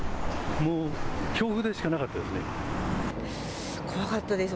もう、恐怖でしかなかったですね。